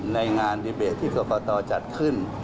ในงานดีเบตที่กรกตจัดขึ้น